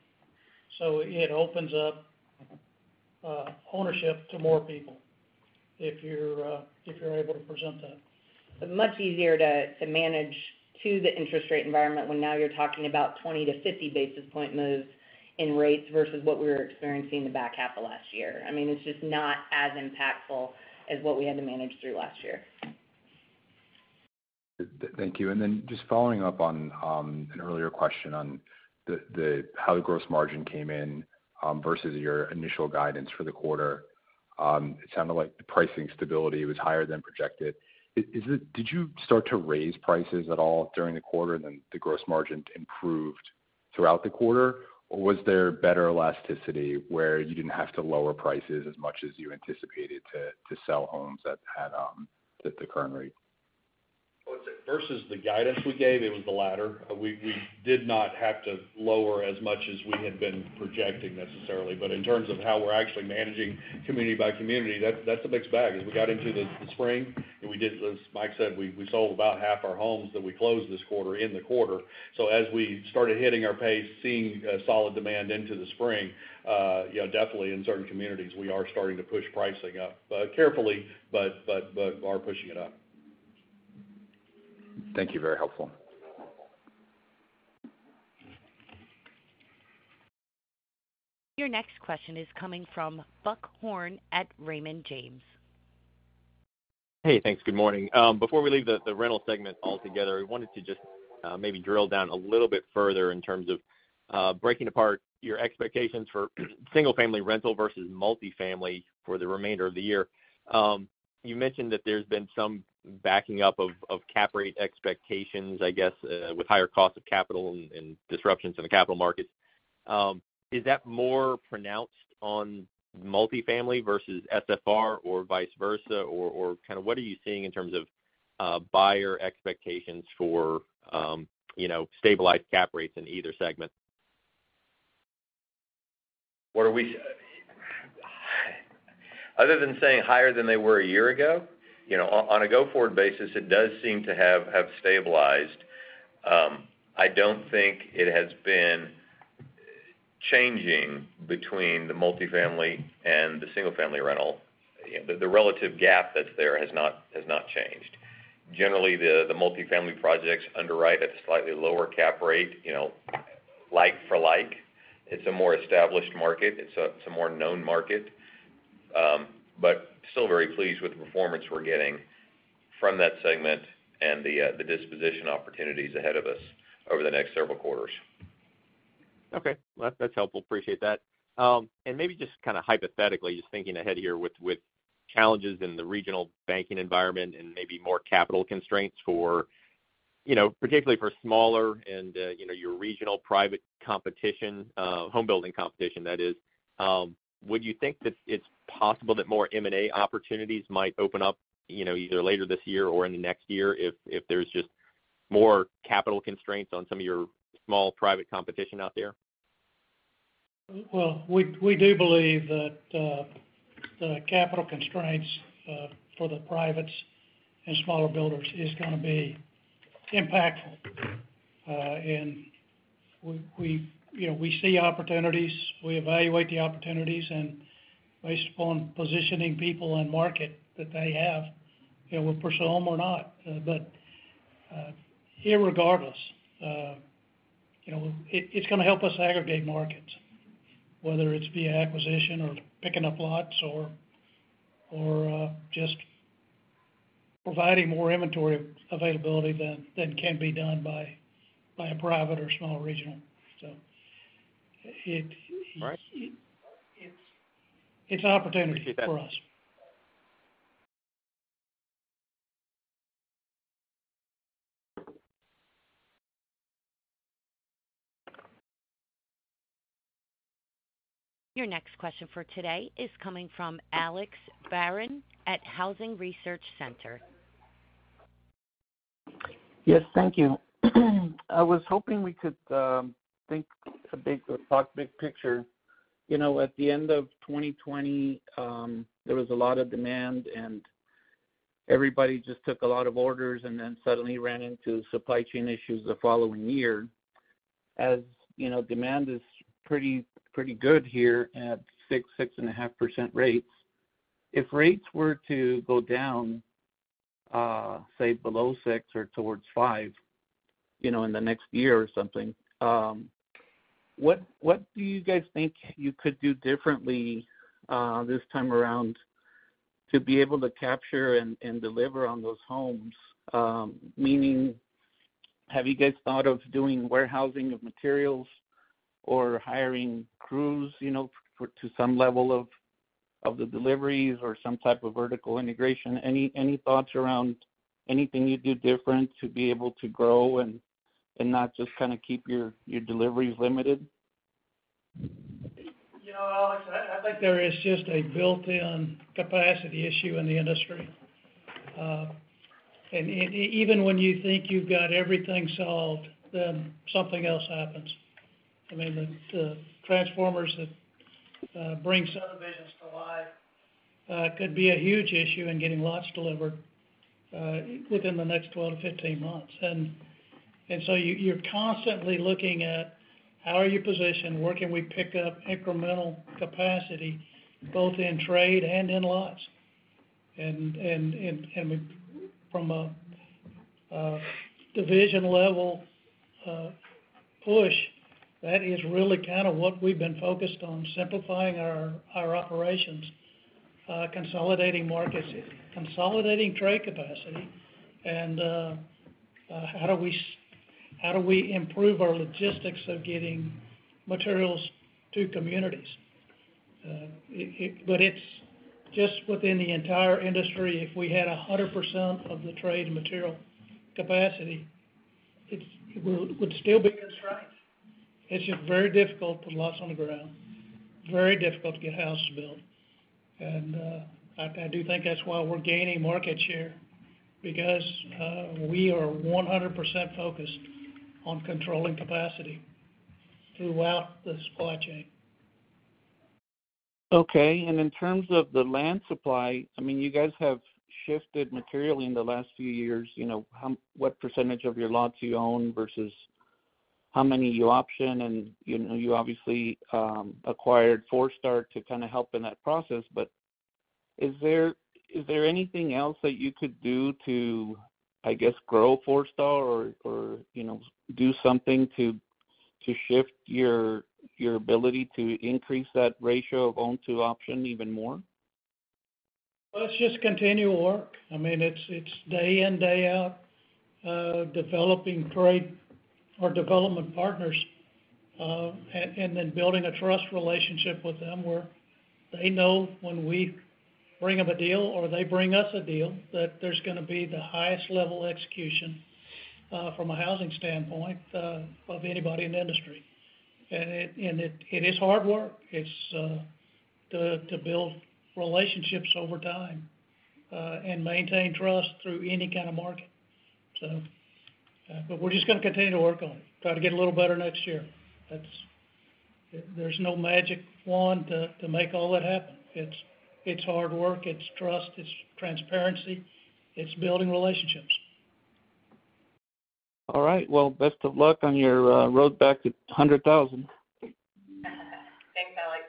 It opens up ownership to more people if you're able to present that. Much easier to manage to the interest rate environment when now you're talking about 20 to 50 basis point moves in rates versus what we were experiencing the back half of last year. I mean, it's just not as impactful as what we had to manage through last year. Thank you. Just following up on an earlier question on the how the gross margin came in versus your initial guidance for the quarter. It sounded like the pricing stability was higher than projected. Is it did you start to raise prices at all during the quarter, and then the gross margin improved throughout the quarter? Was there better elasticity where you didn't have to lower prices as much as you anticipated to sell homes that had at the current rate? Versus the guidance we gave, it was the latter. We did not have to lower as much as we had been projecting necessarily. In terms of how we're actually managing community by community, that's a mixed bag. As we got into the spring, and we did as Mike Murray said, we sold about half our homes that we closed this quarter in the quarter. As we started hitting our pace, seeing a solid demand into the spring, you know, definitely in certain communities, we are starting to push pricing up, but carefully, but are pushing it up. Thank you. Very helpful. Your next question is coming from Buck Horne at Raymond James. Hey, thanks. Good morning. Before we leave the rental segment altogether, I wanted to just maybe drill down a little bit further in terms of breaking apart your expectations for single-family rental versus multifamily for the remainder of the year. You mentioned that there's been some backing up of cap rate expectations, I guess, with higher cost of capital and disruptions in the capital markets. Is that more pronounced on multifamily versus SFR or vice versa? Or, or kind of what are you seeing in terms of buyer expectations for, you know, stabilized cap rates in either segment? Other than saying higher than they were a year ago, you know, on a go-forward basis, it does seem to have stabilized. I don't think it has been changing between the multifamily and the single-family rental. The relative gap that's there has not changed. Generally, the multifamily projects underwrite at a slightly lower cap rate, you know, like for like. It's a more established market, it's a more known market. Still very pleased with the performance we're getting from that segment and the disposition opportunities ahead of us over the next several quarters. Okay. That's helpful. Appreciate that. Maybe just kind of hypothetically, just thinking ahead here with challenges in the regional banking environment and maybe more capital constraints for, you know, particularly for smaller and, you know, your regional private competition, homebuilding competition, that is. Would you think that it's possible that more M&A opportunities might open up, you know, either later this year or in the next year if there's just more capital constraints on some of your small private competition out there? We do believe that the capital constraints for the privates and smaller builders is gonna be impactful. We, you know, we see opportunities, we evaluate the opportunities, and based upon positioning people and market that they have, you know, we'll push a home or not. Irregardless, you know, it's gonna help us aggregate markets, whether it's via acquisition or picking up lots or, just providing more inventory availability than can be done by a private or small regional. Right. It's an opportunity for us. Your next question for today is coming from Alex Barron at Housing Research Center, LLC. Yes, thank you. I was hoping we could think a big or talk big picture. You know, at the end of 2020, there was a lot of demand and everybody just took a lot of orders and then suddenly ran into supply chain issues the following year. As, you know, demand is pretty good here at 6.5% rates. If rates were to go down, say below six or towards five, you know, in the next year or something, what do you guys think you could do differently this time around to be able to capture and deliver on those homes? Meaning, have you guys thought of doing warehousing of materials or hiring crews, you know, for to some level of the deliveries or some type of vertical integration? Any thoughts around anything you'd do different to be able to grow and not just kinda keep your deliveries limited? You know, Barron, I think there is just a built-in capacity issue in the industry. Even when you think you've got everything solved, something else happens. I mean, the transformers that bring subdivisions to life could be a huge issue in getting lots delivered within the next 12-15 months. You're constantly looking at how are you positioned, where can we pick up incremental capacity both in trade and in lots. From a division level. That is really kind of what we've been focused on, simplifying our operations, consolidating markets, consolidating trade capacity, and how do we improve our logistics of getting materials to communities? but it's just within the entire industry, if we had 100% of the trade material capacity, we would still be in a strike. It's just very difficult to put lots on the ground, very difficult to get houses built. I do think that's why we're gaining market share because, we are 100% focused on controlling capacity throughout the supply chain. Okay. In terms of the land supply, I mean, you guys have shifted materially in the last few years, you know, what percentage of your lots you own versus how many you option. You know, you obviously acquired Forestar to kind of help in that process. Is there anything else that you could do to, I guess, grow Forestar or, you know, do something to shift your ability to increase that ratio of own to option even more? Well, it's just continual work. I mean, it's day in, day out, developing trade or development partners, and then building a trust relationship with them where they know when we bring them a deal or they bring us a deal, that there's gonna be the highest level execution from a housing standpoint of anybody in the industry. It is hard work. It's to build relationships over time and maintain trust through any kind of market. We're just gonna continue to work on it, try to get a little better next year. There's no magic wand to make all that happen. It's, it's hard work, it's trust, it's transparency, it's building relationships. All right. Well, best of luck on your road back to 100,000. Thanks, Barron.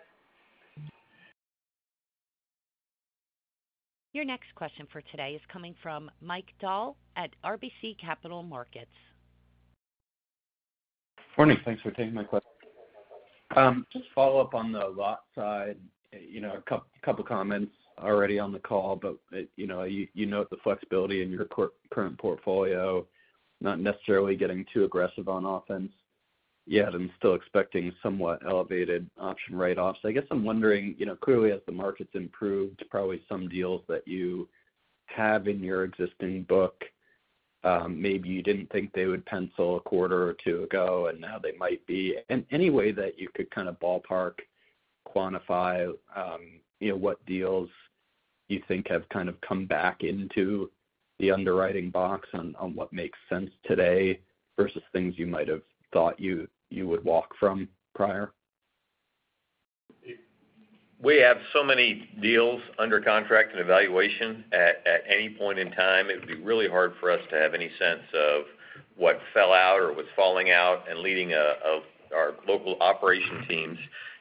Your next question for today is coming from Mike Dahl at RBC Capital Markets. Morning. Thanks for taking my question. Just follow up on the lot side. You know, a couple of comments already on the call, but, you know, you note the flexibility in your current portfolio, not necessarily getting too aggressive on offense. I'm still expecting somewhat elevated option write-offs. I guess I'm wondering, you know, clearly as the market's improved, probably some deals that you have in your existing book, maybe you didn't think they would pencil a quarter or two ago, and now they might be. In any way that you could kind of ballpark quantify, you know, what deals you think have kind of come back into the underwriting box on what makes sense today versus things you might have thought you would walk from prior. It- We have so many deals under contract and evaluation at any point in time, it would be really hard for us to have any sense of what fell out or was falling out and leading of our local operation teams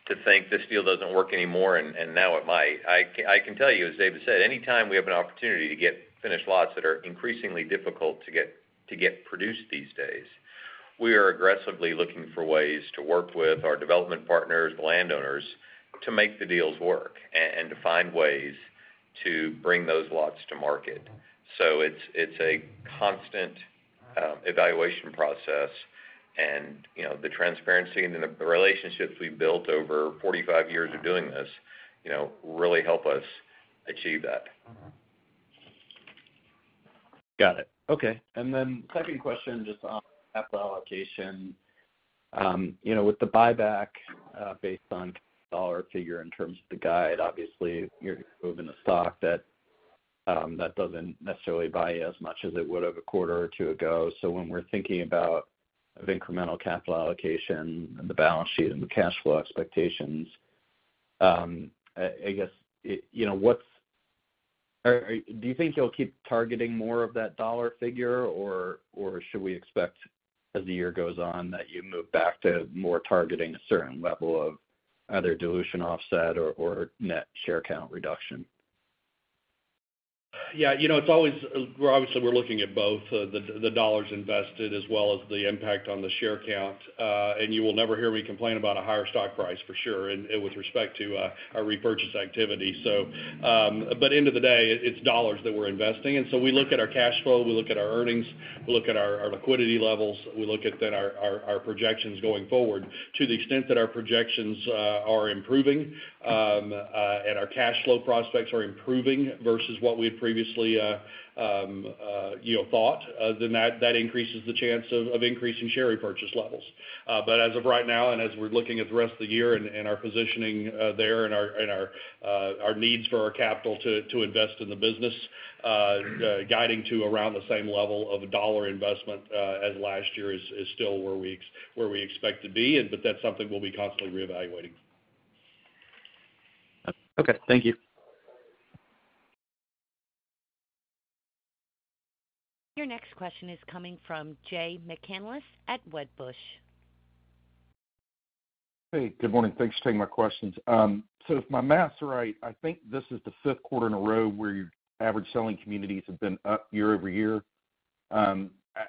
to think this deal doesn't work anymore, and now it might. I can tell you, as David said, anytime we have an opportunity to get finished lots that are increasingly difficult to get produced these days, we are aggressively looking for ways to work with our development partners, the landowners, to make the deals work and to find ways to bring those lots to market. It's, it's a constant evaluation process. You know, the transparency and the relationships we've built over 45 years of doing this, you know, really help us achieve that. Got it. Okay. Second question, just on capital allocation. you know, with the buyback, based on dollar figure in terms of the guide, obviously, you're moving a stock that doesn't necessarily buy you as much as it would have a quarter or two ago. When we're thinking about the incremental capital allocation and the balance sheet and the cash flow expectations, do you think you'll keep targeting more of that dollar figure, or should we expect as the year goes on, that you move back to more targeting a certain level of either dilution offset or net share count reduction? Yeah, you know, it's always, we're obviously looking at both the dollars invested as well as the impact on the share count. You will never hear me complain about a higher stock price for sure, and with respect to our repurchase activity. But end of the day, it's dollars that we're investing. We look at our cash flow, we look at our earnings, we look at our liquidity levels, we look at then our projections going forward. To the extent that our projections are improving, and our cash flow prospects are improving versus what we had previously, you know, thought, then that increases the chance of increasing share repurchase levels. As of right now, and as we're looking at the rest of the year and our positioning, there and our, and our needs for our capital to invest in the business, guiding to around the same level of dollar investment, as last year is still where we expect to be. That's something we'll be constantly reevaluating. Okay. Thank you. Your next question is coming from Jay McCanless at Wedbush. Hey, good morning. Thanks for taking my questions. If my math are right, I think this is the fifth quarter in a row where your average selling communities have been up year-over-year.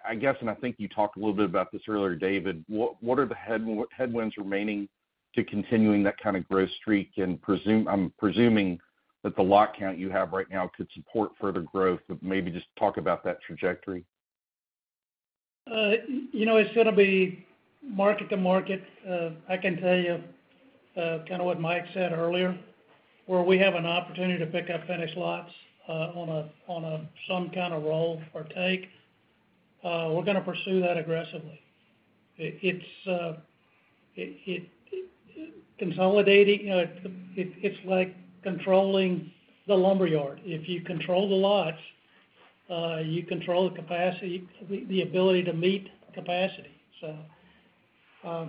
I guess, and I think you talked a little bit about this earlier, David, what are the headwinds remaining to continuing that kind of growth streak? I'm presuming that the lot count you have right now could support further growth, but maybe just talk about that trajectory. You know, it's gonna be market to market. I can tell you, kinda what Mike said earlier, where we have an opportunity to pick up finished lots, on a some kind of roll or take. We're gonna pursue that aggressively. It's, it consolidating, it's like controlling the lumber yard. If you control the lots, you control the capacity, the ability to meet capacity. I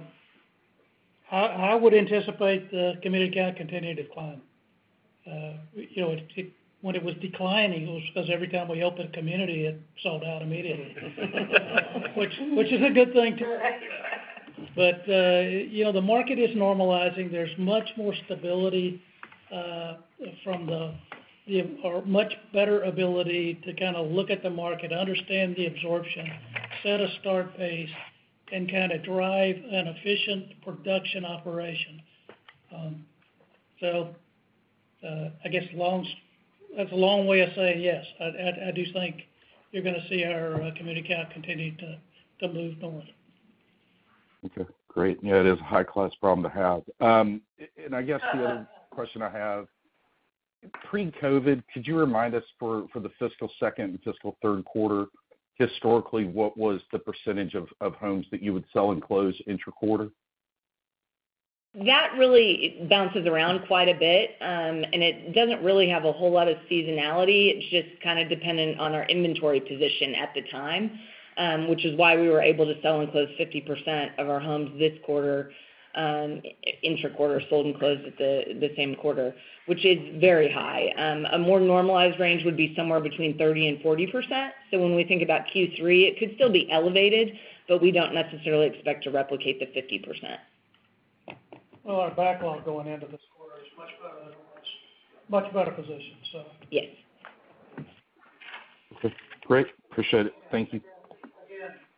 would anticipate the community count continuing to climb. You know, when it was declining, it was just every time we opened a community, it sold out immediately. Which is a good thing to a point. You know, the market is normalizing. There's much more stability, from the... Much better ability to kind of look at the market, understand the absorption, set a start pace, and kind of drive an efficient production operation. I guess that's a long way of saying yes. I do think you're gonna see our community count continue to move north. Okay, great. Yeah, it is a high class problem to have. I guess the other question I have, pre-COVID, could you remind us for the fiscal second, fiscal third quarter, historically, what was the percentage of homes that you would sell and close intra-quarter? That really bounces around quite a bit, and it doesn't really have a whole lot of seasonality. It's just kinda dependent on our inventory position at the time, which is why we were able to sell and close 50% of our homes this quarter, intra-quarter, sold and closed at the same quarter, which is very high. A more normalized range would be somewhere between 30% and 40%. When we think about Q3, it could still be elevated, but we don't necessarily expect to replicate the 50%. Well, our backlog going into this quarter is much better than last. Much better position, so. Yes. Okay, great. Appreciate it. Thank you.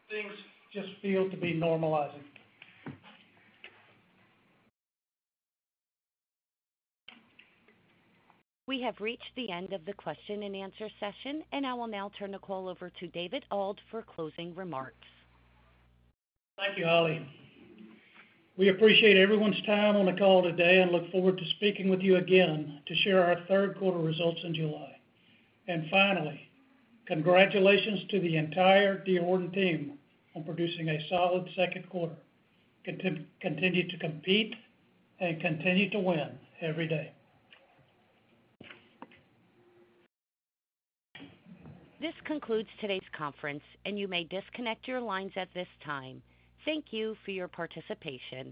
Again, things just feel to be normalizing. We have reached the end of the question and answer session. I will now turn the call over to David Auld for closing remarks. Thank you, Holly. We appreciate everyone's time on the call today and look forward to speaking with you again to share our third quarter results in July. Finally, congratulations to the entire D.R. Horton team on producing a solid second quarter. Continue to compete and continue to win every day. This concludes today's conference, and you may disconnect your lines at this time. Thank you for your participation.